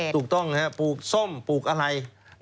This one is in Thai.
ถูกต้องปลูกส้มปลูกอะไร